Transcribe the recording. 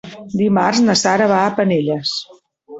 Dimarts na Sara va a Penelles.